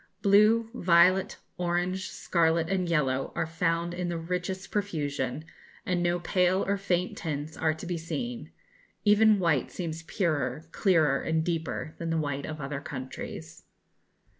Blue, violet, orange, scarlet, and yellow are found in the richest profusion, and no pale or faint tints are to be seen. Even white seems purer, clearer, and deeper than the white of other countries.